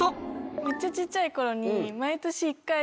めっちゃ小っちゃい頃に。